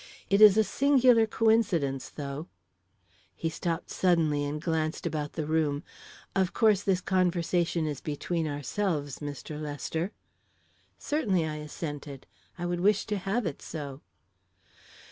It is a singular coincidence, though " He stopped suddenly and glanced about the room. "Of course, this conversation is between ourselves, Mr. Lester?" "Certainly," I assented. "I would wish to have it so."